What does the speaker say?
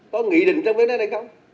có nghị định trong vấn đề này không